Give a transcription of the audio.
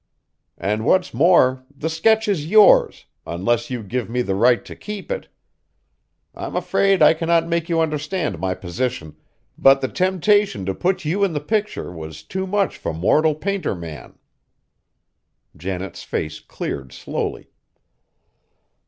And what's more, the sketch is yours, unless you give me the right to keep it. I'm afraid I cannot make you understand my position, but the temptation to put you in the picture was too much for mortal painter man!" Janet's face cleared slowly.